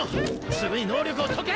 すぐに能力を解け！